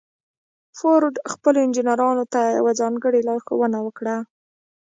فورډ خپلو انجنيرانو ته يوه ځانګړې لارښوونه وکړه.